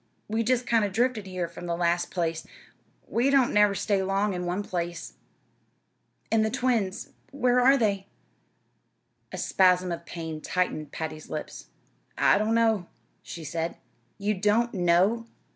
We jest kind of drifted here from the last place. We don't never stay long in one place." "And the twins where are they?" A spasm of pain tightened Patty's lips. "I don't know," she said. "You don't know!"